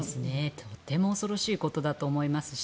とても恐ろしいことだと思いますし